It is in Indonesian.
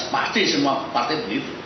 pasti semua partai begitu